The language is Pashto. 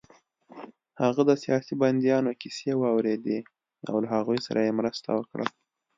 هغه د سیاسي بندیانو کیسې واورېدې او له هغوی سره يې مرسته وکړه